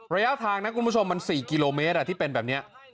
ระยะทางนะคุณผู้ชมมัน๔กิโลเมตรที่เป็นแบบนี้